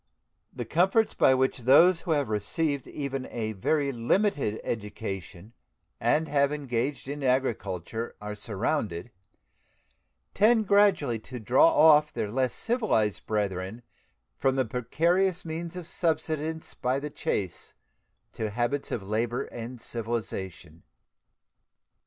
The comforts by which those who have received even a very limited education and have engaged in agriculture are surrounded tend gradually to draw off their less civilized brethren from the precarious means of subsistence by the chase to habits of labor and civilization.